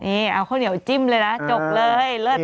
นี่เอาข้าวเหนียวจิ้มเลยนะจกเลยเลิศ